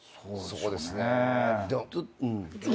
そうですね。